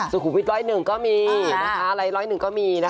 สุขุมิตรร้อยหนึ่งก็มีอะไรร้อยหนึ่งก็มี